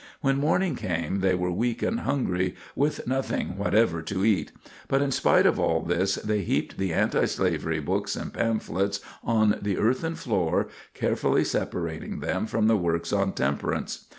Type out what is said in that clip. When morning came they were weak and hungry, with nothing whatever to eat; but in spite of all this they heaped the antislavery books and pamphlets on the earthen floor, carefully separating them from the works on temperance.